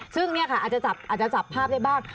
ซึ่งเนี่ยค่ะอาจจะจับภาพได้บ้าง